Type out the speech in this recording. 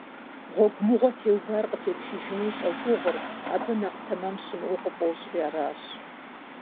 Гъуэгумыгъуэ теувар къытепшыжыну щӀэгугъур, абы нэхъ тэмэм щымыӀэу къыфӀощӀри аращ.